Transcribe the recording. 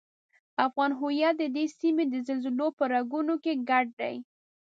افغان هویت ددې سیمې د زلزلو په رګونو کې ګډ دی.